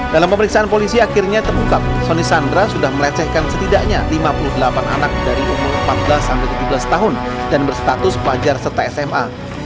dalam pemeriksaan polisi akhirnya terungkap soni sandra sudah melecehkan setidaknya lima puluh delapan anak dari umur empat belas tujuh belas tahun dan berstatus pelajar serta sma